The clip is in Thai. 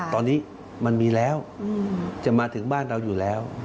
ตอนนี้มันมีแล้วจะมาถึงบ้านเราอยู่แล้ว